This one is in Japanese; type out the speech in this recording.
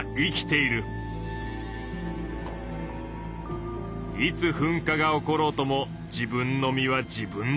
いつ噴火が起ころうとも自分の身は自分で守りきる。